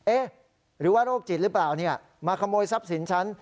เอ๊ะหรือว่าโรคจิตหรือเปล่ามาขโมยทรัพย์สินฉัน